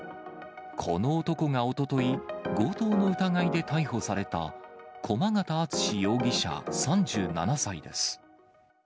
この男がおととい、強盗の疑いで逮捕された、駒形厚志容疑者３７歳です。